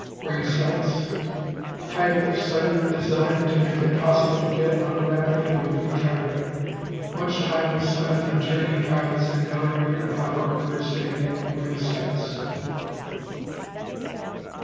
Ring sights Type of sight designed to make it possible to get on a rapidly moving target. Much time was spent in training pilots in gunnery and proper understanding of ring sights.